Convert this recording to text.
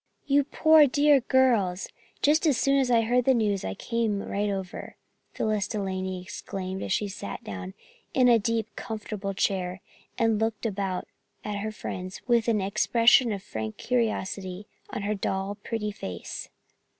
"You poor dear girls! Just as soon as I heard the news I came right over," Phyllis De Laney exclaimed as she sank down in a deep, comfortable chair and looked about at her friends with an expression of frank curiosity on her doll pretty face.